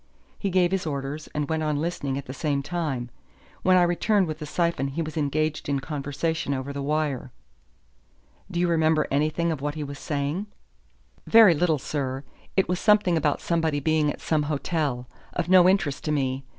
He gave his orders and went on listening at the same time. When I returned with the syphon he was engaged in conversation over the wire." "Do you remember anything of what he was saying?" "Very little, sir; it was something about somebody being at some hotel of no interest to me.